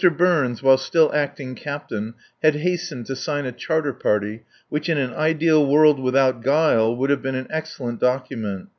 Burns, while still acting captain, had hastened to sign a charter party which in an ideal world without guile would have been an excellent document.